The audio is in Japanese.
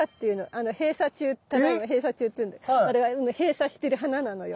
閉鎖中ただいま閉鎖中っていうんでこれは閉鎖してる花なのよ。